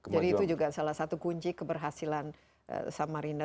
jadi itu juga salah satu kunci keberhasilan samarinda